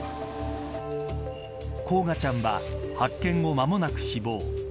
煌翔ちゃんは発見後間もなく死亡。